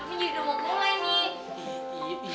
ini udah mau mulai nih